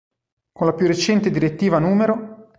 Con la più recente Direttiva n.